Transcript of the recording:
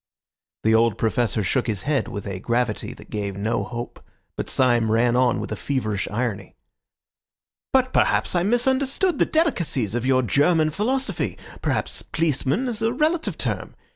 The old Professor shook his head with a gravity that gave no hope, but Syme ran on with a feverish irony. "But perhaps I misunderstood the delicacies of your German philosophy. Perhaps policeman is a relative term.